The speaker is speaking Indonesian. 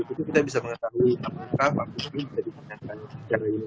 jadi dari itu kita bisa mengetahui apakah vaksin ini bisa diperkenalkan secara ini